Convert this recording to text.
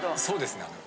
そうですね。